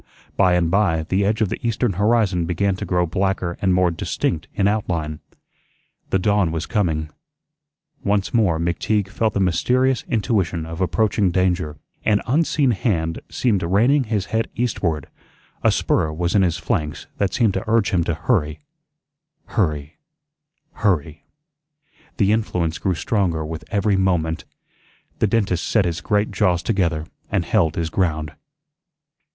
By and by the edge of the eastern horizon began to grow blacker and more distinct in out line. The dawn was coming. Once more McTeague felt the mysterious intuition of approaching danger; an unseen hand seemed reining his head eastward; a spur was in his flanks that seemed to urge him to hurry, hurry, hurry. The influence grew stronger with every moment. The dentist set his great jaws together and held his ground.